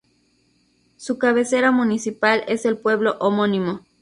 Su cabecera municipal es el pueblo homónimo.